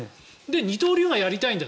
二刀流がやりたいんだ。